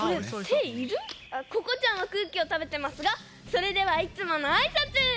ここちゃんはくうきをたべてますがそれではいつものあいさつ！